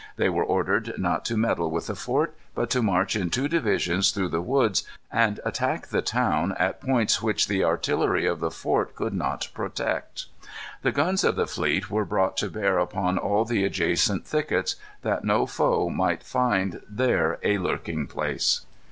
They were ordered not to meddle with the fort, but to march in two divisions through the woods, and attack the town at points which the artillery of the fort could not protect. The guns of the fleet were brought to bear upon all the adjacent thickets, that no foe might find there a lurking place.